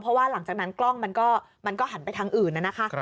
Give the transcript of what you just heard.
เพราะว่าหลังจากนั้นกล้องมันก็หันไปทางอื่นนะคะ